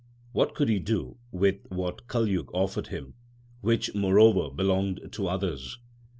What could he do with what Kaljug offered him, which moreover belonged to others